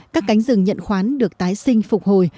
các cánh rừng nhận khoán được tái sinh phục hồi